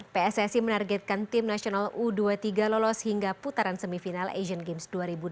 pssi menargetkan tim nasional u dua puluh tiga lolos hingga putaran semifinal asian games dua ribu delapan belas